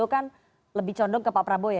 kan lebih condong ke pak prabowo ya